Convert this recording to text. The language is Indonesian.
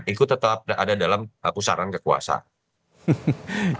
ikut tetap ada dalam pusaran kekuasaan